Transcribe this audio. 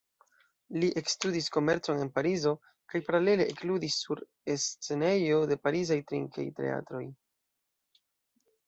Li ekstudis komercon en Parizo kaj, paralele, ekludis sur scenejoj de parizaj trinkej-teatroj.